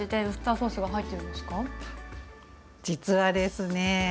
実はですね